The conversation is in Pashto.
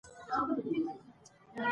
خدمت د عامه رضایت لپاره طرحه کېږي.